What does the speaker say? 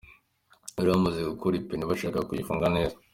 Bari bamaze gukura ipine bashaka kuyifunga neza.